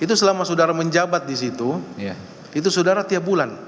itu selama saudara menjabat di situ itu saudara tiap bulan